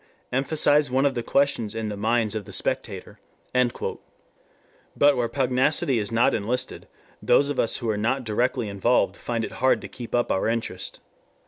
Emphasize one of the questions in the minds of the spectator.,.."] But where pugnacity is not enlisted, those of us who are not directly involved find it hard to keep up our interest.